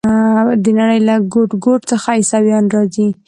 د نړۍ له ګوټ ګوټ څخه عیسویان راځي.